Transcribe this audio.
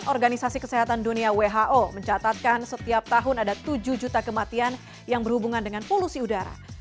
organisasi kesehatan dunia who mencatatkan setiap tahun ada tujuh juta kematian yang berhubungan dengan polusi udara